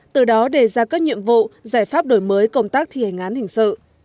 từ đó đề ra các nhiệm vụ giải pháp đổi mới công tác thi hành án hình sự